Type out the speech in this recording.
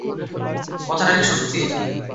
কথাটা কি সত্যি?